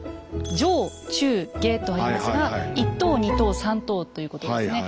上中下とありますが１等２等３等ということですね。